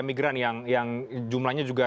migran yang jumlannya juga